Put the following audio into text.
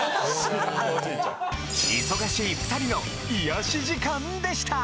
忙しい２人の癒し時間でした！